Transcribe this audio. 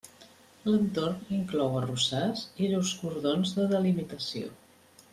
L'entorn inclou arrossars i llurs cordons de delimitació.